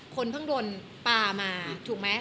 คนเพิ่งโดนปลามาถูกไหม